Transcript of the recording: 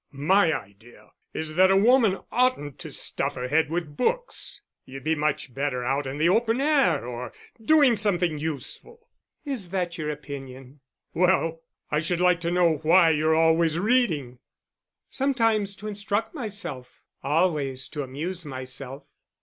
"My idea is that a woman oughtn't to stuff her head with books. You'd be much better out in the open air or doing something useful." "Is that your opinion?" "Well, I should like to know why you're always reading?" "Sometimes to instruct myself; always to amuse myself."